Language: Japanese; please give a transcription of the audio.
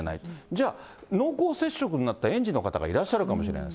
じゃあ、濃厚接触になった園児の方がいらっしゃるかもしれない。